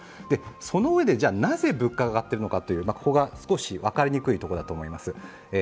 そのうえで、なぜ物価が上がっているのか、ここが少し分かりにくいところだと思います。